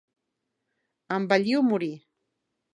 Envellir o morir.